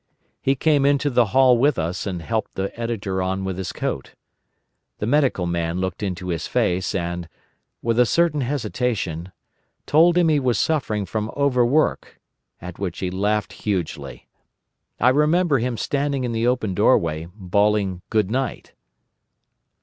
He came into the hall with us and helped the Editor on with his coat. The Medical Man looked into his face and, with a certain hesitation, told him he was suffering from overwork, at which he laughed hugely. I remember him standing in the open doorway, bawling good night.